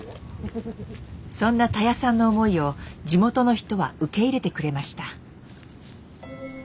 そんなたやさんの思いを地元の人は受け入れてくれました。